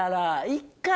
１回！